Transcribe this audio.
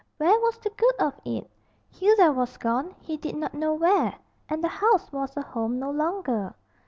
Where was the good of it? Hilda was gone he did not know where, and the house was a home no longer.